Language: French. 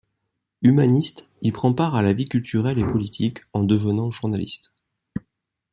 Humaniste, il prend part à la vie culturelle et politique en devenant journaliste.